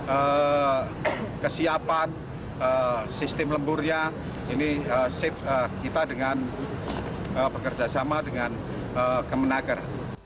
evaluasi kesiapan sistem lemburnya ini shift kita dengan pekerja sama dengan kemenaker